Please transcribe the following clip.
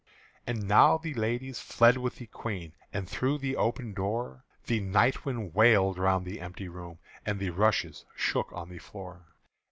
And now the ladies fled with the Queen; And through the open door The night wind wailed round the empty room And the rushes shook on the floor.